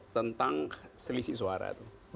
tentang selisih suara